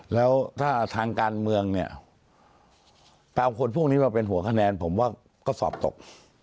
แล้วถ้าทางการเมืองเนี่ยไปเอาคนพวกนี้มาเป็นหัวคะแนนผมว่าก็สอบตก